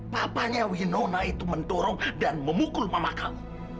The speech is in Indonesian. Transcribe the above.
papanya winona itu mendorong dan memukul mama kamu